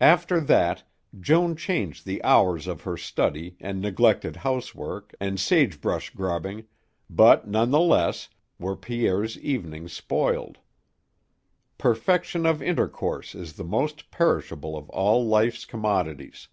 After that, Joan changed the hours of her study and neglected housework and sagebrush grubbing, but, nonetheless, were Pierre's evenings spoiled. Perfection of intercourse is the most perishable of all life's commodities.